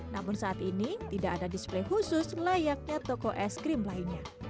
namun saat ini tidak ada display khusus layaknya toko es krim lainnya